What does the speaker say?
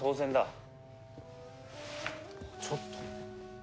ちょっと。